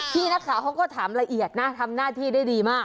พี่นักข่าวเขาก็ถามละเอียดนะทำหน้าที่ได้ดีมาก